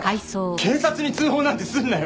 警察に通報なんてすんなよ。